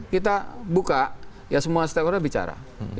kita buka ya semua stakeholder bicara